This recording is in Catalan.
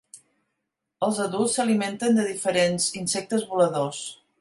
Els adults s'alimenten de diferents insectes voladors.